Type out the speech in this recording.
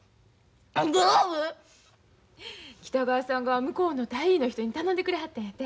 北川さんが向こうの大尉の人に頼んでくれはったんやて。